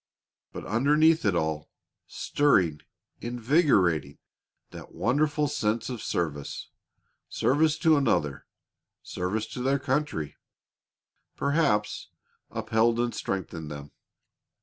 But underneath it all, stirring, invigorating, that wonderful sense of service service to another, service to their country, perhaps, upheld and strengthened them.